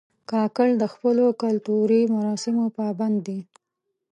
کاکړ د خپلو کلتوري مراسمو پابند دي.